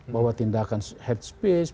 bahwa tindakan headspace